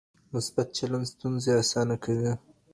مثبت چلند ستونزې اسانه کوي.